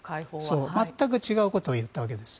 全く違うことを言ったわけです。